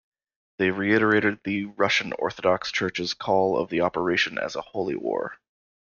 They reiterated the Russian Orthodox Church's call of the operation as a Holy War.